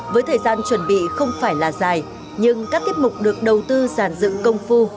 với thời gian chuẩn bị không phải là dài nhưng các tiết mục được đầu tư giàn dựng công phu